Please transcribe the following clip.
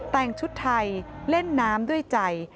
แต่งชุดไทยเล่นน้ำด้วยใจ